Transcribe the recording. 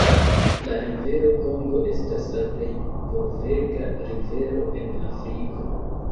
La rivero Kongo estas la plej povega rivero en Afriko.